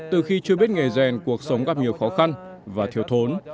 từ khi chưa biết nghề rèn cuộc sống gặp nhiều khó khăn và thiếu thốn